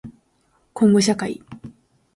こんごしゃかい